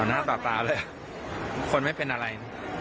หน้ากลาก่าวเลยแหละคนมันไม่เป็นอะไร